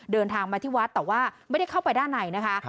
เดินทางมาที่วัดแต่ว่าไม่ได้เข้าไปด้านในนะคะ